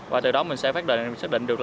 và từ đó mình sẽ phát định được